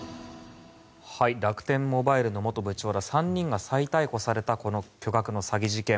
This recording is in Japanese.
楽天モバイルの元部長ら３人が再逮捕されたこの巨額の詐欺事件。